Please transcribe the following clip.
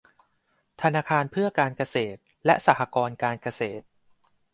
ธนาคารเพื่อการเกษตรและสหกรณ์การเกษตร